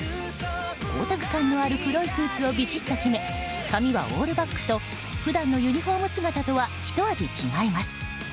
光沢感のある黒いスーツをびしっと決め髪はオールバックと普段のユニホーム姿とはひと味違います。